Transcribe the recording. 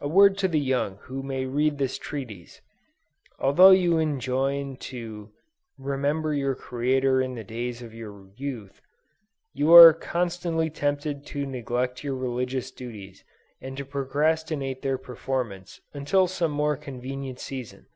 A word to the young who may read this treatise. Although enjoined to "remember your Creator in the days of your youth," you are constantly tempted to neglect your religious duties, and to procrastinate their performance until some more convenient season.